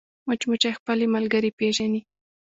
مچمچۍ خپلې ملګرې پېژني